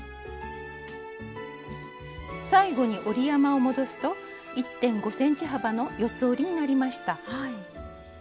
最後に折り山を戻すと１．５ｃｍ幅の四つ折りになりました。